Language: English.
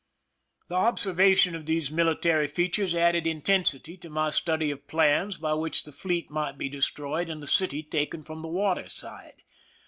The observation of these military features added intensity to my study of plans by which the fleet might be destroyed and the city taken from the water side.